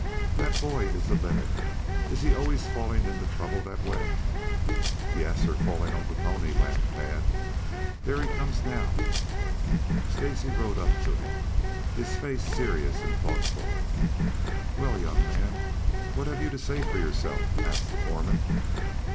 That boy is the limit. Is he always falling into trouble that way?" "Yes, or falling off a pony," laughed Tad. "There he comes, now." Stacy rode up to them, his face serious and thoughtful. "Well, young man, what have you to say for yourself?" asked the foreman.